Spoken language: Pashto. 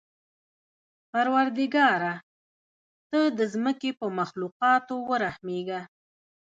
پروردګاره! ته د ځمکې په مخلوقاتو ورحمېږه.